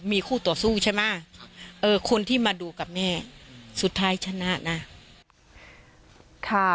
มีคู่ต่อสู้ใช่ไหมคนที่มาดูกับแม่สุดท้ายชนะนะค่ะ